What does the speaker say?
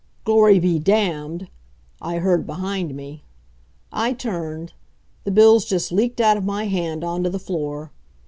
"Glory be damned!" I heard behind me. I turned. The bills just leaked out of my hand on to the floor.